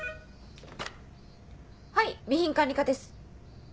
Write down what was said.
はい備品管理課です。